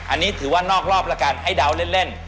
อันนี้ถือว่านอกรอบละกันไอ้ดาวเล่น